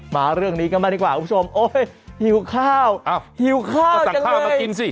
มาเรื่องนี้กันมาดีกว่าคุณผู้ชมโอ้ยหิวข้าวหิวข้าวจังเลย